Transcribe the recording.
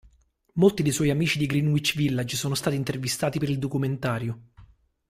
Molti dei suoi amici del Greenwich Village sono stati intervistati per il documentario.